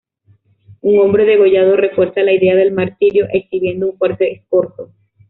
Un hombre degollado refuerza la idea del martirio, exhibiendo un fuerte escorzo.